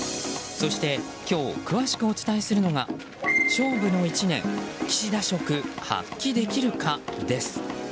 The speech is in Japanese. そして、今日詳しくお伝えするのが勝負の１年岸田色発揮できるかです。